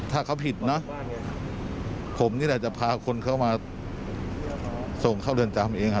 ถ้าเขาผิดนะผมนี่แหละจะพาคนเข้ามาส่งเข้าเรือนจำเอง